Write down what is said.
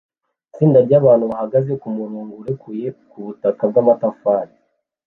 Itsinda ryabantu bahagaze kumurongo urekuye kubutaka bwamatafari